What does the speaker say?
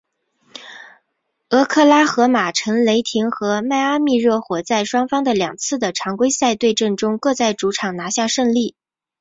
俄克拉何马城雷霆和迈阿密热火在双方的两次的常规赛对阵中各在主场拿下胜利。